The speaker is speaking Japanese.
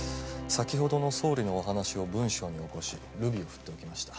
先ほどの総理のお話を文章に起こしルビを振っておきました。